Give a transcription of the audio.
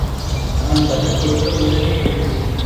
நான் பதில் கொடுக்க உடனே எழுந்தேன்.